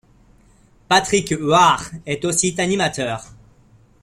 Patrick Huard est aussi animateur.